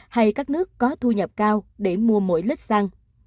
hay các nước có thu nhập cao để mua mỗi lít xăng